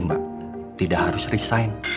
mbak tidak harus resign